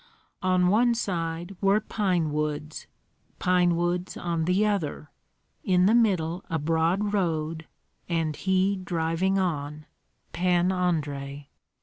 On one side were pine woods, pine woods on the other, in the middle a broad road, and he driving on, Pan Andrei!